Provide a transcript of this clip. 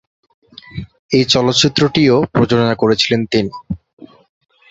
এই চলচ্চিত্রটিও প্রযোজনা করেছিলেন তিনি।